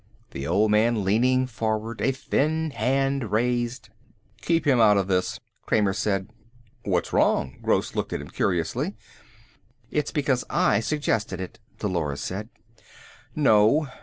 The old man leaning forward, a thin hand raised "Keep him out of this," Kramer said. "What's wrong?" Gross looked at him curiously. "It's because I suggested it," Dolores said. "No."